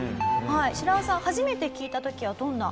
シラワさん初めて聞いた時はどんな？